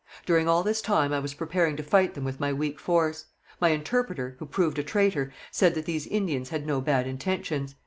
During all this time I was preparing to fight them with my weak force. My interpreter, who proved a traitor, said that these Indians had no bad intentions.